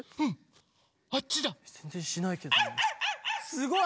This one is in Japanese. すごい。